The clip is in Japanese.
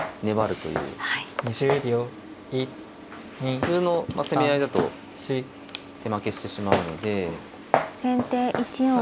普通の攻め合いだと手負けしてしまうので何か。